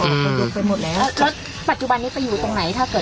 คนลุกไปหมดแล้วแล้วปัจจุบันนี้ไปอยู่ตรงไหนถ้าเกิด